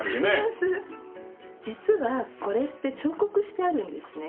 実はこれって彫刻してあるんですね。